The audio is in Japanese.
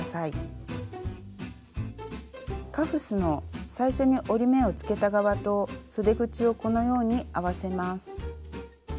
カフスの最初に折り目をつけた側とそで口をこのように合わせます。